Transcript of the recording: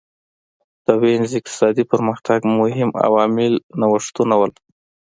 د وینز اقتصادي پرمختګ مهم عامل نوښتونه وو